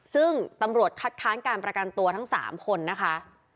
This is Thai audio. ซึ่งตำรวจคัดค้านการประกันตัวทั้ง๓คนนะคะ